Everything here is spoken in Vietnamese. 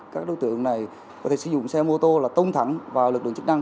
các đối tượng này có thể sử dụng xe mô tô là tông thẳng vào lực lượng chức năng